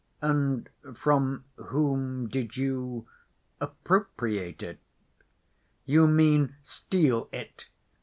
"And from whom did you ... appropriate it?" "You mean, 'steal it'?